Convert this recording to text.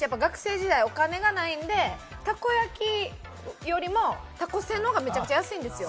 私、やっぱり、学生時代はお金がないんで、たこ焼きよりもたこせんのほうがめちゃくちゃ安いんですよ。